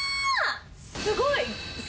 すごい！